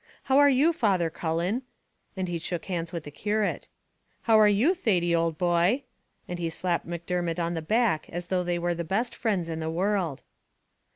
How are you, Father Cullen?" and he shook hands with the curate. "How are you, Thady, old boy?" and he slapped Macdermot on the back as though they were the best friends in the world.